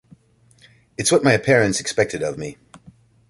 It's what my parents expected of me.